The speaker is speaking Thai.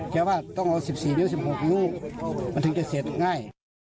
แปลว่าต้องเอา๑๔นิ้ว๑๖ลูกมันถึงจะเสร็จง่าย